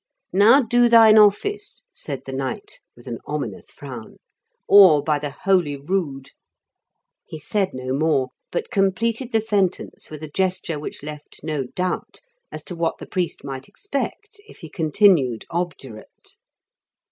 "Now do thine ofl&ce," said the knight, with an ominous frown, "or, by the Holy Rood !" He said no more, but completed the sentence with a gesture which left no doubt as to what the priest might expect if he con tinued obdurate.